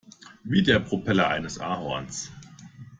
Wie der Propeller eines Ahorns.